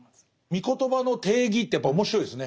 み言葉の定義ってやっぱ面白いですね。